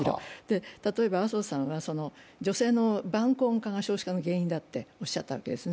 例えば、麻生さんは女性の晩婚化が少子化の原因だとおっしゃったわけですね。